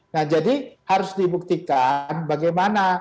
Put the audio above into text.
nah jadi harus dibuktikan bagaimana